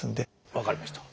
分かりました。